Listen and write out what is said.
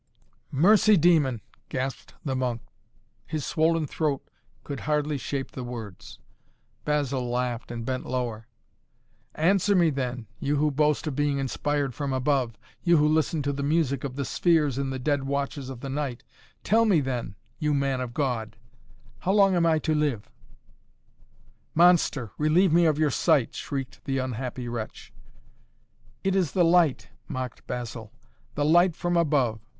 "Mercy demon!" gasped the monk. His swollen throat could hardly shape the words. Basil laughed and bent lower. "Answer me then you who boast of being inspired from above you who listen to the music of the spheres in the dead watches of the night tell me then, you man of God how long am I to live?" "Monster, relieve me of your sight!" shrieked the unhappy wretch. "It is the light," mocked Basil. "The light from above.